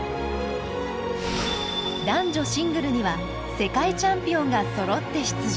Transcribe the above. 男女シングルには世界チャンピオンがそろって出場。